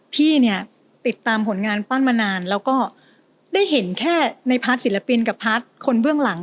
พี่เนี่ยติดตามผลงานปั้นมานานแล้วก็ได้เห็นแค่ในพาร์ทศิลปินกับพาร์ทคนเบื้องหลัง